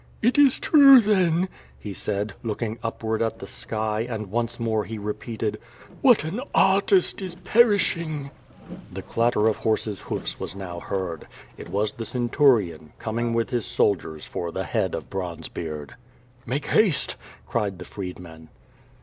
"It is true, then, he said, looking upward at the sky, and once more he repeated: "What an artist is perishing! QUO VADI8. 515 The clatter of horses' hoofs was now heard. It was the centurion, coming with his soldiers for the head of Bronze beard. '*Make haste!'' cried the freedman.